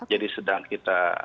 jadi sedang kita